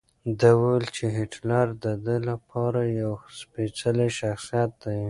ده وویل چې هېټلر د ده لپاره یو سپېڅلی شخصیت دی.